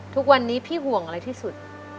ทุกวันนี้พี่ห่วงอะไรที่สุด